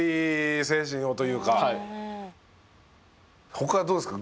他はどうですか？